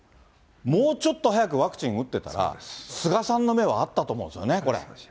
もうちょっと早くワクチン打ってたら、菅さんの芽はあったと思うんですよね、これ。